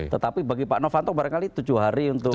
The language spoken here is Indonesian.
tetapi bagi pak novanto barangkali tujuh hari untuk